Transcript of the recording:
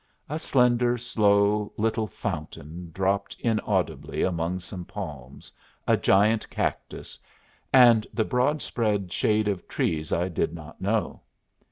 A slender slow little fountain dropped inaudibly among some palms, a giant cactus, and the broad spread shade of trees I did not know.